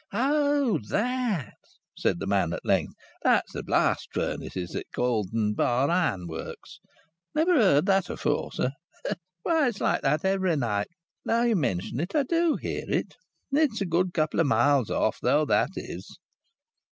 "Oh! That!" said the man at length. "That's th' blast furnaces at Cauldon Bar Ironworks. Never heard that afore, sir? Why, it's like that every night. Now you mention it, I do hear it! It's a good couple o' miles off, though, that is!"